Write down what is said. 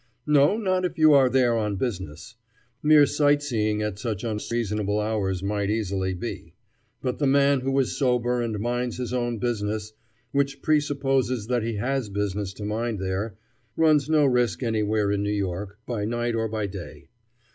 No, not if you are there on business. Mere sightseeing at such unseasonable hours might easily be. But the man who is sober and minds his own business which presupposes that he has business to mind there runs no risk anywhere in New York, by night or by day.